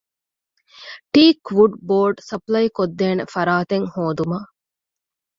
ޓީކް ވުޑް ބޯޑް ސަޕްލައިކޮށްދޭނެ ފަރާތެއް ހޯދުމަށް